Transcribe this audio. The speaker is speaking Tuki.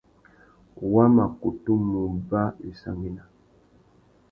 Wa mà kutu mù uba wissangüena.